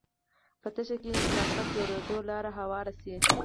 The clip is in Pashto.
په تشه کې خلافت جوړېدو لاره هواره شي